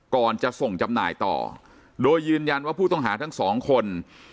ก่อนจะส่งจำหน่ายต่อโดยยืนยันว่าผู้ต้องหาทั้งสองคน